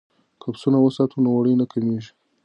که پسونه وساتو نو وړۍ نه کمیږي.